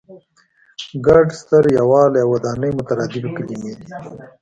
ګډ، ستر، یووالی او ودانۍ مترادفې کلمې دي.